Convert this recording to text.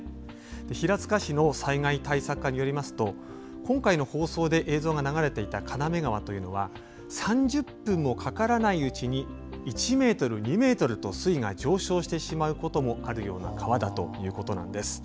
平塚市の災害対策課によりますと今回の放送で映像が流れていた金目川というのは３０分もかからないうちに１ｍ、２ｍと水位が上昇してしまうこともあるような川だということなんです。